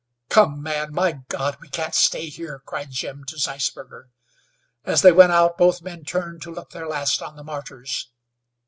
"Come, man, my God! We can't stay here!" cried Jim to Zeisberger. As they went out both men turned to look their last on the martyrs.